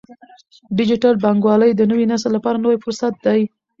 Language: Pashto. ډیجیټل بانکوالي د نوي نسل لپاره لوی فرصت دی۔